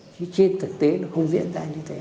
chứ trên thực tế nó không diễn ra như thế